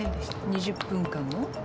２０分間も？